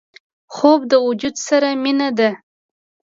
خوب د وجود سره مینه ده